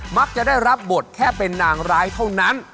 มักจะได้รับบทแค่เป็นนางร้ายเท่านั้น